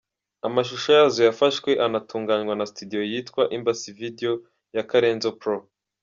Amashusho yazo yafashwe anatunganywa na studio yitwa “Embassy video” ya Karenzo Pro.